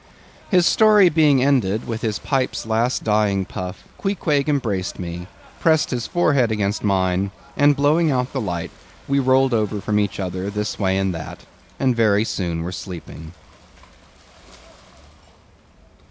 His story being ended with his pipe's last dying puff, Queequeg embraced me, pressed his forehead against mine, and blowing out the light, we rolled over from each other, this way and that, and very soon were sleeping.